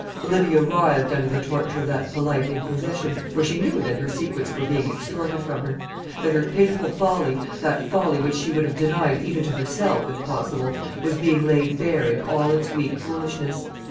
Olivia writhed under the torture of that polite inquisition, for she knew that her secrets were being extorted from her; that her pitiful folly that folly which she would have denied even to herself, if possible was being laid bare in all its weak foolishness.